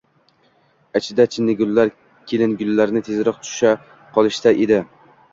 Ichida chinnigullar, kelingullarni tezroq tusha qolishsa edi